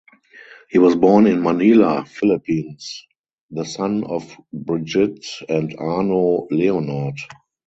He was born in Manila (Philippines) the son of Brigitte and Arno Leonhardt.